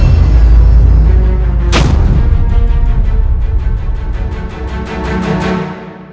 untuk memastikan siliwangi